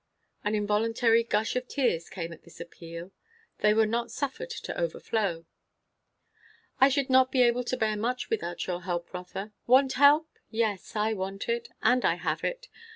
An involuntary gush of tears came at this appeal; they were not suffered to overflow. "I should not be able to bear much without help, Rotha. Want help? yes, I want it and I have it.